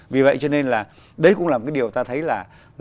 vì vậy cho nên là đấy cũng là một cái điều ta thấy là